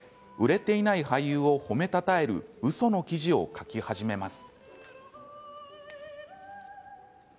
同僚に促され売れていない俳優を褒めたたえるうその記事を書き始めます。